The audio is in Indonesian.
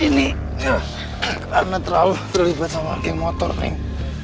ini karena terlalu terlibat sama geng motor nih